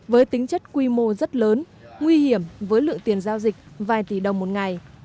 với tính chất quy mô rất lớn nguy hiểm với lượng tiền giao dịch vài tỷ đồng một ngày